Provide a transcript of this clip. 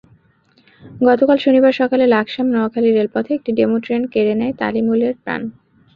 গতকাল শনিবার সকালে লাকসাম-নোয়াখালী রেলপথে একটি ডেমু ট্রেন কেড়ে নেয় তানিমুলের প্রাণ।